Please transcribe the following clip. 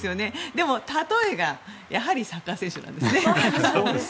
でも例えがやはりサッカー選手なんですね。